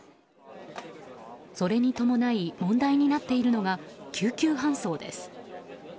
それに伴い問題になっているのが救急搬送です。